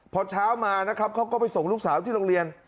พอเช้ามานะครับเขาก็ไปส่งลูกสาวที่โรงเรียน